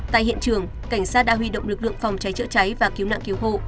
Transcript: tại hiện trường cảnh sát đã huy động lực lượng phòng cháy chữa cháy và cứu nạn cứu hộ